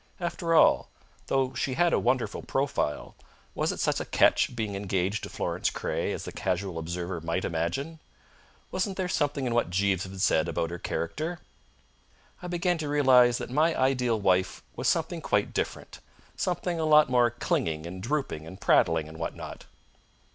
After all, though she had a wonderful profile, was it such a catch being engaged to Florence Craye as the casual observer might imagine? Wasn't there something in what Jeeves had said about her character? I began to realise that my ideal wife was something quite different, something a lot more clinging and drooping and prattling, and what not.